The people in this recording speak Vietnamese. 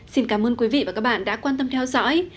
xin cảm ơn quý vị và các bạn đã quan tâm theo dõi